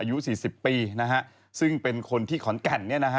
อายุ๔๐ปีนะฮะซึ่งเป็นคนที่ขอนแต่น